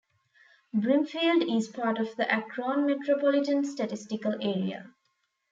Brimfield is part of the Akron Metropolitan Statistical Area.